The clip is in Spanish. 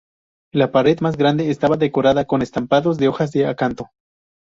La pared más grande estaba decorada con estampados de hojas de acanto.